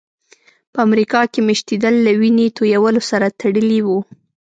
په امریکا کې مېشتېدل له وینې تویولو سره تړلي وو.